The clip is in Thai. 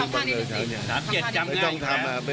ไม่ต้องทำนะครับไม่ต้องทำนริยาภัย